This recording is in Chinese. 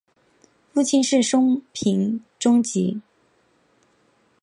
父亲是松平忠吉。